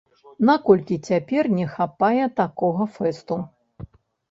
Наколькі цяпер не хапае такога фэсту?